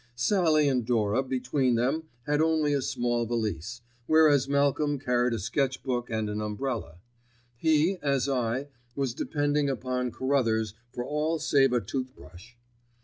Sallie and Dora between them had only a small valise, whereas Malcolm carried a sketch book and an umbrella. He, as I, was depending upon Carruthers for all save a tooth brush.